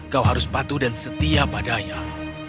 kau harus patuh dan setia pada ayah